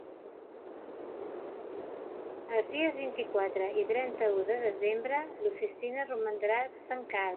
Els dies vint-i-quatre i trenta-u de desembre l'oficina romandrà tancada.